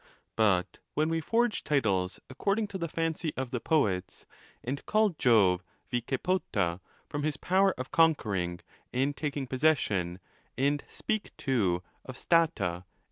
ON THE LAWS. 44] But when we forge titles according to the fancy of the poets, and call Jove Vicepota, from his power of conquering,' and taking possession; and speak, too, of Stata